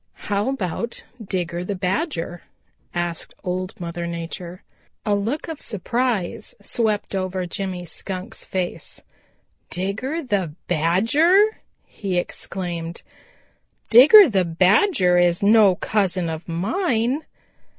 "How about Digger the Badger?" asked Old Mother Nature. A look of surprise swept over Jimmy Skunk's face. "Digger the Badger!" he exclaimed. "Digger the Badger is no cousin of mine!"